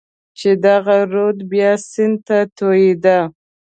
چې دغه رود بیا سیند ته توېېده.